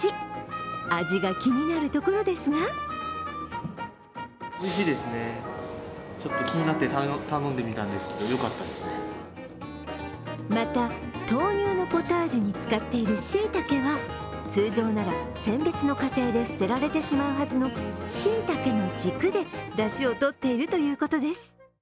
味が気になるところですがまた、豆乳のポタージュに使っているしいたけは通常なら選別の過程で捨てられてしまうはずのしいたけの軸でだしをとっているということです。